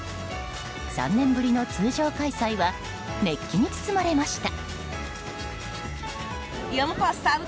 ３年ぶりの通常開催は熱気に包まれました。